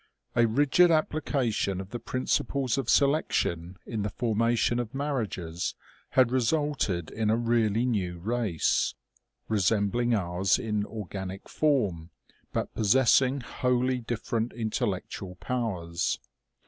A rigid application of the principles of selection in the formation of marriages had resulted in a really new race, resembling ours in organic form, but possessing wholly different intellectual powers.